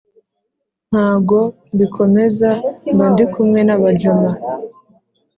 ntago mbikomeza mbandikumwe nabajama